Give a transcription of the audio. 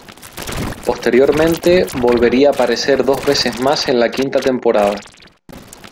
Posteriormente, volvería a aparecer dos veces más en la quinta temporada.